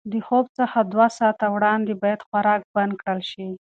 د خوب څخه دوه ساعته وړاندې باید خوراک بند کړل شي.